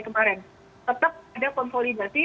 kemarin tetap ada konsolidasi